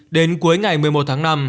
đến cuối ngày một mươi một tháng năm